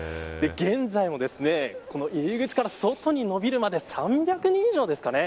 現在も入り口から外に伸びるまで３００人以上ですかね